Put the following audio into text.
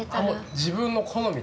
自分の好みで。